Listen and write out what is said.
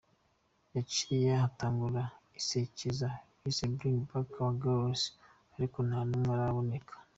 Haciye hatangura isekeza bise 'Bring Back Our Girls', ariko nta n'umwe araboneka.